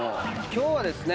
今日はですね